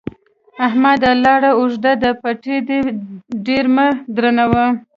احمده! لاره اوږده ده؛ پېټی دې ډېر مه درنوه.